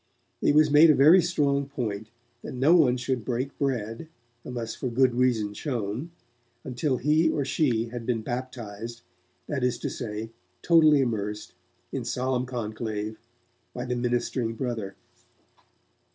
It was made a very strong point that no one should 'break bread', unless for good reason shown until he or she had been baptized, that is to say, totally immersed, in solemn conclave, by the ministering brother.